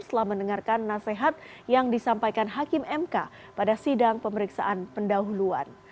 setelah mendengarkan nasihat yang disampaikan hakim mk pada sidang pemeriksaan pendahuluan